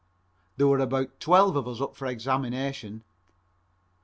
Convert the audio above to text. There were about twelve of us up for examination.